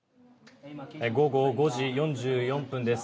午後５時４４分です。